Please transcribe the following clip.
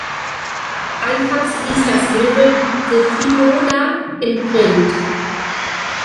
Anfangs hieß das Label "The Shinoda Imprint".